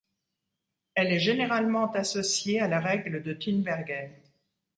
Elle est généralement associée à la règle de Tinbergen.